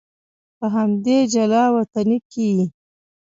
په همدې جلا وطنۍ کې یې.